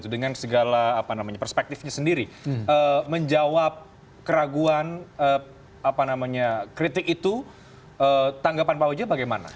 dengan segala perspektifnya sendiri menjawab keraguan kritik itu tanggapan pak uja bagaimana